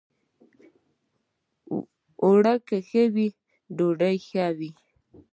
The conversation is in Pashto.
اوړه که ښه وي، ډوډۍ ښه وي